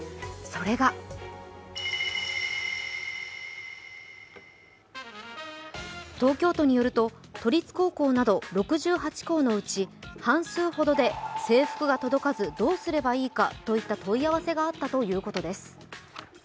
それが東京都によると、都立高校など６８校のうち半数ほどで制服が届かずどうすればいいかといった問い合わせがあったということです。